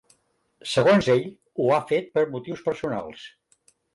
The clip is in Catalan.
Segons ell, ho ha fet per motius personals.